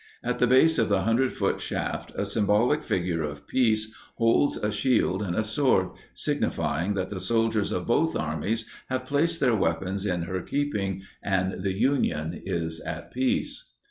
At the base of the 100 foot shaft, a symbolic figure of Peace holds a shield and a sword, signifying that the soldiers of both armies have placed their weapons in her keeping, and the Union is at peace.